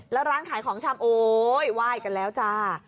แล้วร้านขายของชำโอ๊ยไหว้กันแล้วจ้า